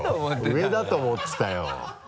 上だと思ってたよ。